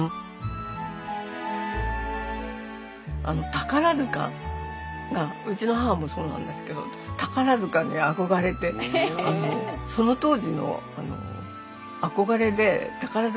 宝塚がうちの母もそうなんですけど宝塚に憧れてその当時の憧れで宝塚に入りたかったみたいですよ。